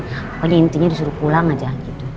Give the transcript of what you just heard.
pokoknya intinya disuruh pulang aja gitu